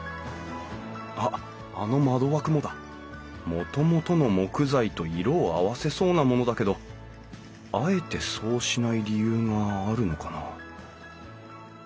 もともとの木材と色を合わせそうなものだけどあえてそうしない理由があるのかな？